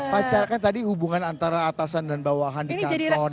pacar kan tadi hubungan antara atasan dan bawahan di kantor